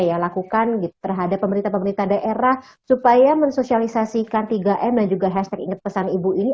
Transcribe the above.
yang lakukan terhadap pemerintah pemerintah daerah supaya mensosialisasikan tiga m dan juga hashtag ingat pesan ibu ini